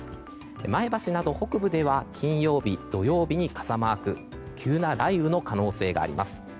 前橋など北部では金曜日、土曜日に傘マーク急な雷雨の可能性があります。